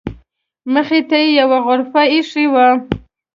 مخې ته یې یوه غرفه ایښې وه.